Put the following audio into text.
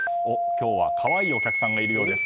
今日は可愛いお客さんがいるようです。